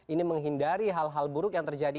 ini menghindari hal hal buruk yang terjadi